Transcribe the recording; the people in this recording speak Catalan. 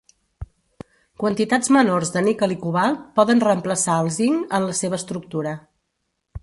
Quantitats menors de níquel i cobalt poden reemplaçar el zinc en la seva estructura.